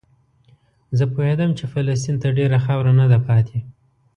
زه پوهېدم چې فلسطین ته ډېره خاوره نه ده پاتې.